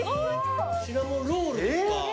シナモンロールとか。